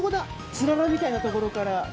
つららみたいな所から。